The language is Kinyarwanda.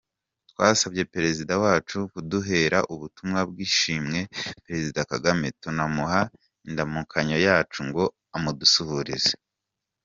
Twasabye Perezida wacu kuduhera ubutumwa bw’ishimwe Perezida Kagame, tunamuha indamukanyo yacu ngo amudusuhurize.